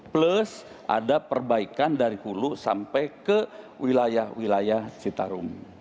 plus ada perbaikan dari hulu sampai ke wilayah wilayah citarum